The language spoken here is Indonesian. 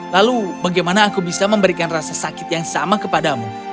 lalu bagaimana aku bisa memberikan rasa sakit yang sama kepadamu